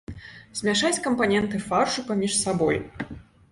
Змяшаць кампаненты фаршу паміж сабой.